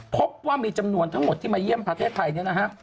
พบว่ามีจำนวนทั้งหมดที่มาเยี่ยมประเทศไทยเนี่ยนะฮะ